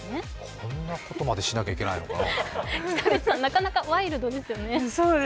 こんなことまでしなきゃいけないのかななかなかワイルドですね。